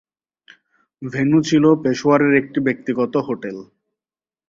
Venue ছিল পেশোয়ারের একটি ব্যক্তিগত হোটেল।